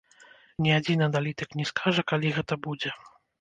Ні адзін аналітык не скажа, калі гэта будзе.